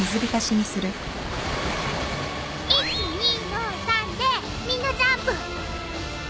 １２の３でみんなジャンプ。